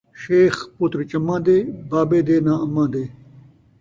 شیخ پتر چماں دے ، بابے دے ناں امّاں دے